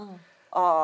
ああ。